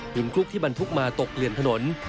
หินคลุกที่บรรพุกมาตกเลี่ยนถนน